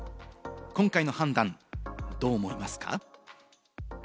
今回の判断、どう思いますか？